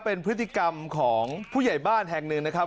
เป็นพฤติกรรมของผู้ใหญ่บ้านแห่งหนึ่งนะครับ